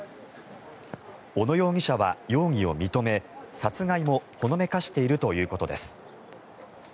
小野容疑者は容疑を認め殺害もほのめかしているということです。